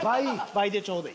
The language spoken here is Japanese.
倍でちょうどいい。